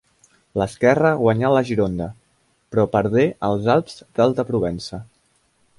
L'esquerra guanyà la Gironda, però perdé els Alps d'Alta Provença.